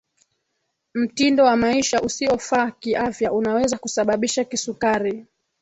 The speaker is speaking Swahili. mtindo wa maisha usiofaa kiafya unaweza kusababisha kisukari